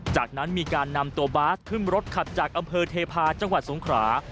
จากนั้นมีการนำตัวบาสขึ้นรถขับจากอำเภอเทพาะจังหวัดสงขรา